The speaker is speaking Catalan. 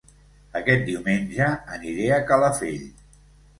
Aquest diumenge aniré a Calafell